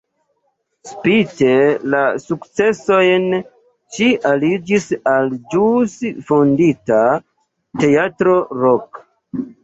Spite la sukcesojn ŝi aliĝis al ĵus fondita "Teatro Rock".